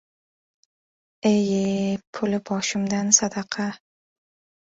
— E-ye, puli boshimdan sadaqa!